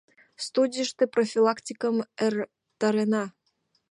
Студийыште профилактикым эртарена».